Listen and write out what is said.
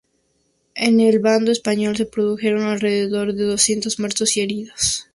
En el bando español se produjeron alrededor de doscientos muertos y heridos.